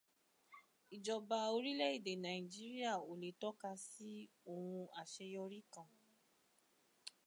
Ìjọba orílẹ̀ èdè Nàìjíríà ò lè tọ́ka sí ohun àṣeyọrí kan.